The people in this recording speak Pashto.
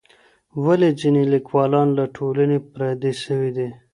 ولې ځينې ليکوالان له ټولني پردي سوي دي؟